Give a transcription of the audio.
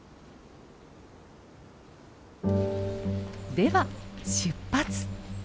では出発！